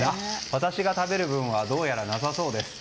私が食べる分はどうやらなさそうです。